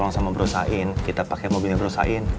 sama bro sain kita pake mobilnya bro sain